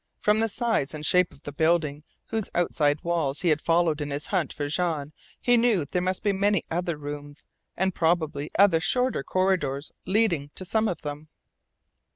From the size and shape of the building whose outside walls he had followed in his hunt for Jean he knew there must be many other rooms, and probably other shorter corridors leading to some of them.